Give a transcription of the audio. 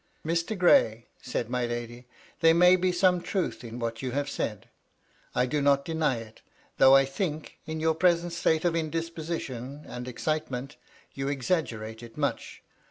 " Mr. Gray," said my lady, " there may be some truth in what you have said. I do not deny it, though I think, in your present state of indisposition and excitement, you exaggerate it much.